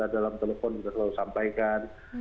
dalam telepon juga selalu sampaikan